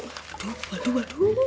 aduh aduh aduh